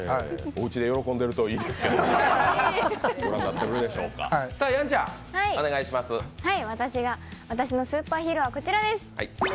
おうちで喜んでるといいですけど、ご覧になってるでしょうか私のスーパーヒーローはこちらです。